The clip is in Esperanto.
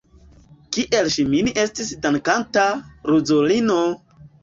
Kiel ŝi min estis dankanta, ruzulino!